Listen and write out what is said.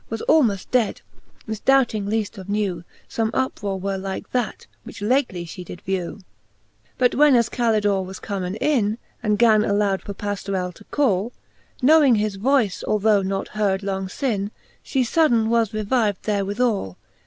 Was almoft dead ; mifdoubting leaft of new Some uprore were like that, which lately fhe did vew. XLIV. But when as Calidore was comen in. And gan aloud for Pajiorell to call. Knowing his voice, although not heard long lin, She fudden was revived therewithal!